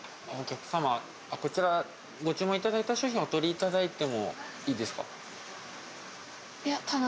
お客さまこちらご注文いただいた商品お取りいただいてもいいですか？